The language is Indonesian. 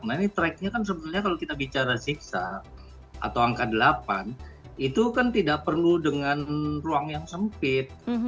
nah ini tracknya kan sebetulnya kalau kita bicara ziksa atau angka delapan itu kan tidak perlu dengan ruang yang sempit